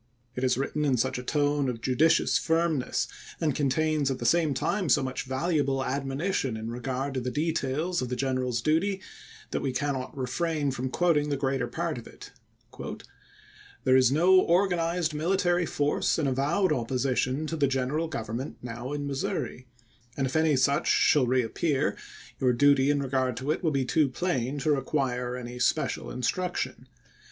It is written in such a tone of judicious firmness, and contains at the same time so much valuable admonition in regard to the details of the general's duty, that we cannot refrain from quoting the greater part of it : There is no organized military force in avowed opposi tion to the General Government now in Missouri, and if any such shall reappear, your duty in regard to it wiU be too plain to require any special instruction.